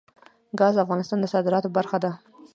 ګاز د افغانستان د صادراتو برخه ده.